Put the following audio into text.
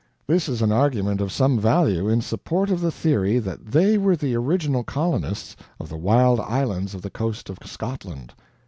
This is an argument of some value in support of the theory that they were the original colonists of the wild islands of the coast of Scotland.